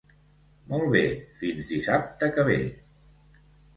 Molt bé; fins dissabte que ve.